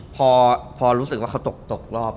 พอรู้สึกว่าเขาตกรอบ